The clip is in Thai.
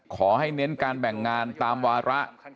เน้นการแบ่งงานตามวาระ